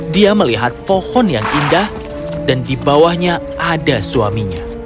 dia melihat pohon yang indah dan di bawahnya ada suaminya